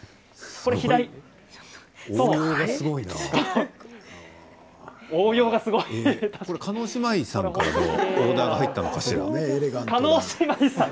これは叶姉妹さんからのオーダーが入ったのかしら？